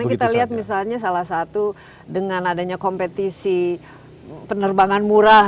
karena kita lihat misalnya salah satu dengan adanya kompetisi penerbangan murah